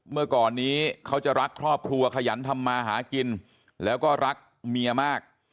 เมื่อก่อนนี้เขาจะรักครอบครัวขยันทำมาหากินแล้วก็รักเมียมาก